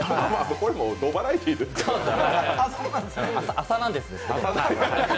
これもうほぼバラエティーですから。